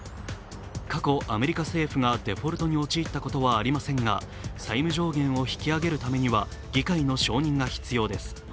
過去アメリカ政府がデフォルトに陥ったことはありませんが債務上限を引き上げるためには議会の承認が必要です。